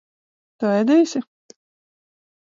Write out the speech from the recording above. Tu ēdīsi?